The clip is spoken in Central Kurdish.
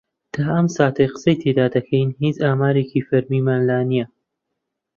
تا ئەم ساتەی قسەی تێدا دەکەین هیچ ئامارێکی فەرمیمان لا نییە.